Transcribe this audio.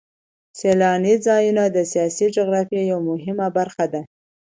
سیلاني ځایونه د سیاسي جغرافیه یوه مهمه برخه ده.